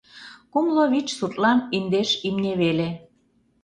Кумло вич суртлан индеш имне веле.